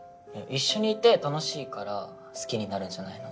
一緒にいて楽しいから好きになるんじゃないの？